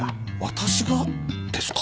私がですか？